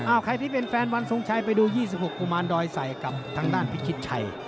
ใครที่เป็นแฟนวันทรงชัยไปดู๒๖กุมารดอยใส่กับทางด้านพิชิตชัย